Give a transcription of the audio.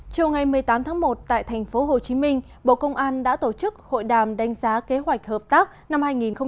trong ngày một mươi tám tháng một tại thành phố hồ chí minh bộ công an đã tổ chức hội đàm đánh giá kế hoạch hợp tác năm hai nghìn một mươi chín